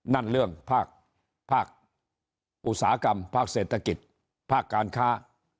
นั่นเรื่องภาคอุตสาหกรรมภาคเศรษฐกิจภาคการค้า